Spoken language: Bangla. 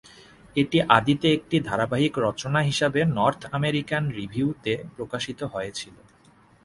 এটি আদিতে একটি ধারাবাহিক রচনা হিসেবে "নর্থ অ্যামেরিকান রিভিউ"-তে প্রকাশিত হয়েছিল।